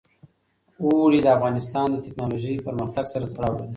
اوړي د افغانستان د تکنالوژۍ پرمختګ سره تړاو لري.